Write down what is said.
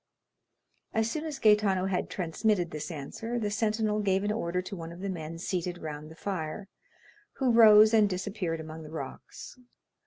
As soon as Gaetano had transmitted this answer, the sentinel gave an order to one of the men seated round the fire, who rose and disappeared among the rocks.